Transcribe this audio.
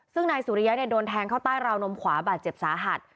ซึ่งนายสุริยะโดนแทงเข้าใต้ราวนมขวาบาดเจ็บสาหัส